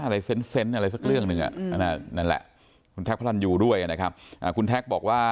อะไรเซ้นอะไรสักเรื่องหนึ่งนั่นแหละคุณแท็กพระรันยูด้วยนะครับ